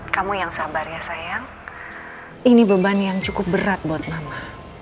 kamu yang sabar ya sayang ini beban yang cukup berat buat mama